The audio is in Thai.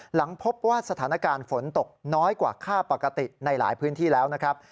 หลังพบว่าสถานการณ์ฝนตกน้อยกว่าค่าปกติในหลายพื้นที่แล้วนะครับ